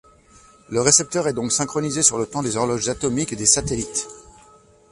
Le récepteur est donc synchronisé sur le temps des horloges atomiques des satellites.